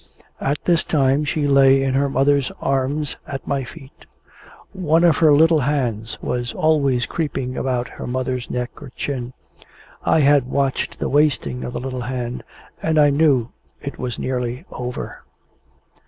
At this time, she lay in her mother's arms at my feet. One of her little hands was almost always creeping about her mother's neck or chin. I had watched the wasting of the little hand, and I knew it was nearly over.